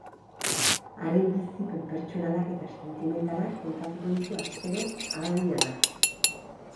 Haren bizipen pertsonalak eta sentimentalak kontatuko ditu astero abadiñarrak.